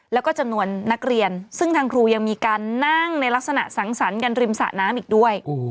แล้วก็จำนวนนักเรียนซึ่งทางครูยังมีการนั่งในลักษณะสังสรรค์กันริมสะน้ำอีกด้วย